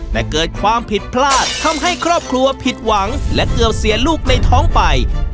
แต่เกิดความผิดพลาดทำให้ครอบครัวผิดหวังและเกือบเสียลูกในท้องไป